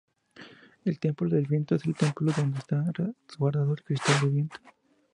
El templo del viento es el templo donde está resguardado el cristal de viento.